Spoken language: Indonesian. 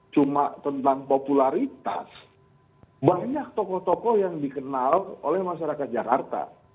cuma tentang popularitas banyak tokoh tokoh yang dikenal oleh masyarakat jakarta